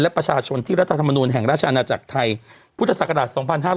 และประชาชนที่รัฐธรรมนูลแห่งราชอาณาจักรไทยพุทธศักราช๒๕๕๙